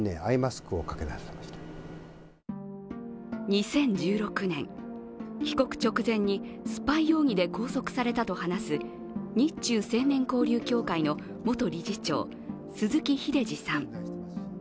２０１６年、帰国直前にスパイ容疑で拘束されたと話す日中青年交流協会の元理事長鈴木英司さん。